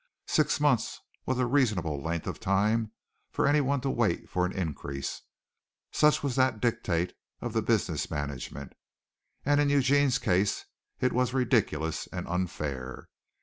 Six months was a reasonable length of time for anyone to wait for an increase such was the dictate of the business management and in Eugene's case it was ridiculous and unfair.